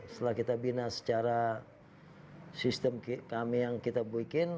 setelah kita bina secara sistem kami yang kita bikin